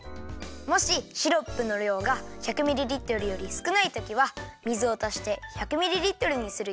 もしシロップのりょうが１００ミリリットルよりすくないときは水をたして１００ミリリットルにするよ。